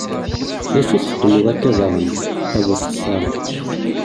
D acu i txedmeḍ akka daɣen, a bu txeṣṣarin?